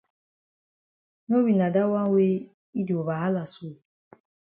No be na dat wan wey yi di over hala so.